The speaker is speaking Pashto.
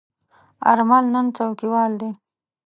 آرمل نن څوکیوال دی.